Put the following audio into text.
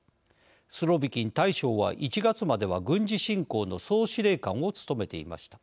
スロビキン大将は１月までは軍事侵攻の総司令官を務めていました。